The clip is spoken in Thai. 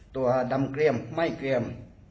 ตัวดำเกลี่ยมไม่เกลี่ยม